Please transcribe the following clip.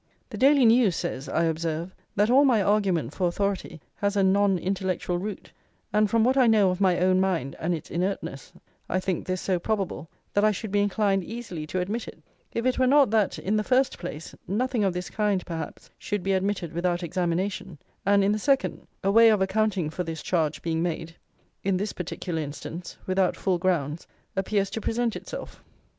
The Daily News says, I observe, that all my argument for authority "has a non intellectual root;" and from what I know of my own mind and its inertness, I think this so probable, that I should be inclined easily to admit it, if it were not that, in the first place, nothing of this kind, perhaps, should be admitted without examination; and, in the second, a way of accounting for this charge being made, in this particular instance, without full grounds, appears to present itself.